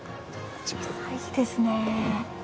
ああいいですね。